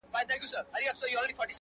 او طوطي ته یې دوکان وو ورسپارلی!